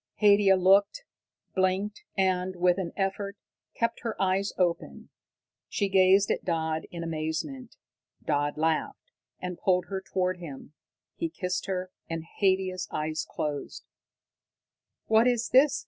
Haidia looked, blinked and, with an effort kept her eyes open. She gazed at Dodd in amazement. Dodd laughed, and pulled her toward him. He kissed her, and Haidia's eyes closed. "What is this?"